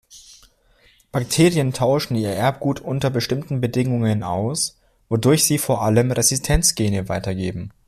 Bakterien tauschen ihr Erbgut unter bestimmten Bedingungen aus, wodurch sie vor allem Resistenzgene weitergeben.